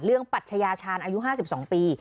เรืองปรัชญาชาญอายุ๕๒ปี